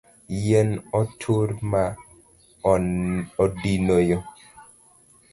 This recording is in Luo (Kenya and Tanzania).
Yien otur ma odino yoo